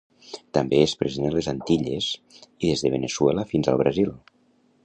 També és present a les Antilles i des de Veneçuela fins al Brasil.